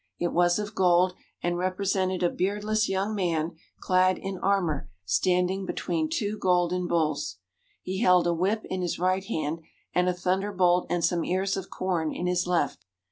It was of gold and represented a beardless young man clad in armour standing between two golden bulls. He held a whip in his right hand and a thunderbolt and some ears of corn in his left.